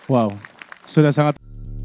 wow sudah sangat